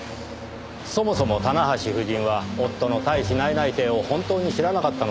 そもそも棚橋夫人は夫の大使内々定を本当に知らなかったのでしょうかねぇ？